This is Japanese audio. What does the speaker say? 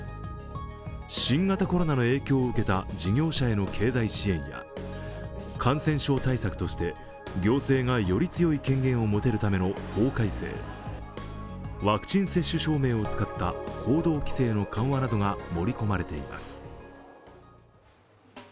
新型コロナの影響を受けた事業者への経済支援や、感染症対策として行政がより強い権限を持てるための法改正ワクチン接種証明を使った行動規制の緩和などが盛り込まれています。